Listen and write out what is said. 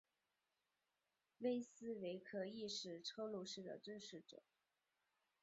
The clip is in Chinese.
威斯维克亦是车路士的支持者。